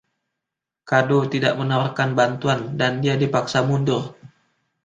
Caddo tidak menawarkan bantuan. dan dia dipaksa mundur,